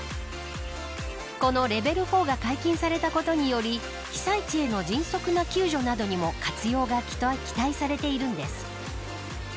このレベル４が解禁されたことにより被災地への迅速な救助などにも活用が期待されているんです。